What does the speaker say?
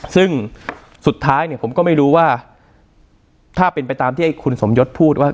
ซึ่งสุดท้ายเนี่ยผมก็ไม่รู้ว่าถ้าเป็นไปตามที่คุณสมยศพูดว่า